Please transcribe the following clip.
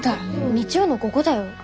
日曜の午後だよ？